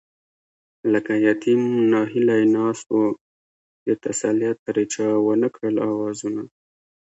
لکه يتيم ناهيلی ناست وو، د تسليت پرې چا ونکړل آوازونه